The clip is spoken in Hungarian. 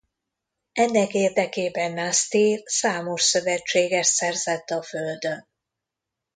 Ennek érdekében N’astirh számos szövetségest szerzett a Földön.